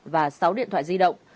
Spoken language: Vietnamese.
và sáu điện thoại di động